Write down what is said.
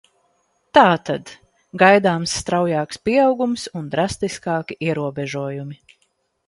Tātad, gaidāms straujāks pieaugums un drastiskāki ierobežojumi.